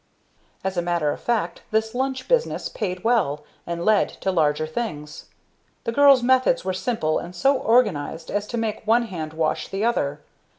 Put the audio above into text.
As a matter of fact this lunch business paid well, and led to larger things. The girl's methods were simple and so organized as to make one hand wash the other.